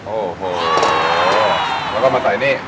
โอ้โหแล้วก็มาใส่นี่